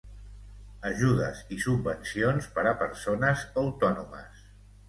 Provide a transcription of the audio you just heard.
Ajudes i subvencions per a persones autònomes.